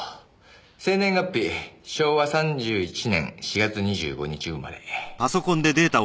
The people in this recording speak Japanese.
生年月日昭和３１年４月２５日生まれ。